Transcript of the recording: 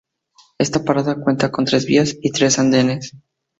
Esta parada cuenta con tres vías y tres andenes.